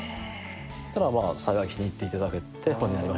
そしたらまあ幸い気に入っていただけて本になりました。